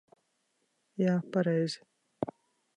Jā, pareizi.